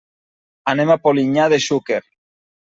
Anem a Polinyà de Xúquer.